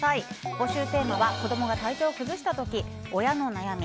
募集テーマは子供が体調を崩したとき親の悩み。